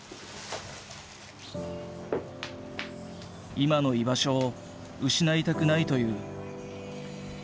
今の居場所を失いたくないという。